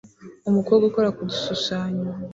Umuntu ukora ku gishushanyo